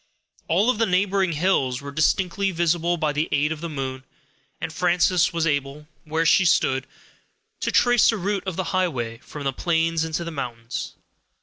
All of the neighboring hills were distinctly visible by the aid of the moon, and Frances was able, where she stood, to trace the route of the highway, from the plains into the mountains.